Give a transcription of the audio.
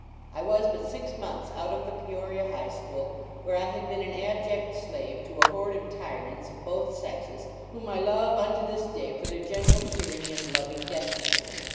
Iwas but six months out of the Peoria high school, where I had been an abject slave to a horde of tyrants, of both sexes, whom I love unto this day for their gentle tyranny and loving despotism.